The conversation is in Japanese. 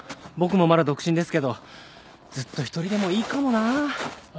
僕もまだ独身ですけどずっと一人でもいいかもなぁ。